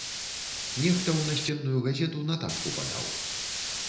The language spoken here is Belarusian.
Нехта ў насценную газету нататку падаў.